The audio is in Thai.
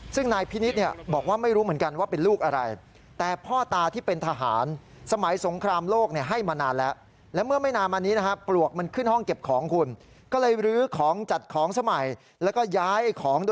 ซึ่งนายพินิษฐ์บอกว่าไม่รู้เหมือนกันว่าเป็นลูกอะไร